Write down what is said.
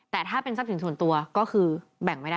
แต่ถ้าเป็นทรัพย์สินส่วนตัวก็คือแบ่งไม่ได้